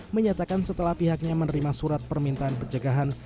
menyatakan setelah pihaknya menerima surat permintaan pencegahan